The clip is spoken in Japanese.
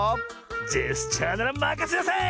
ジェスチャーならまかせなさい！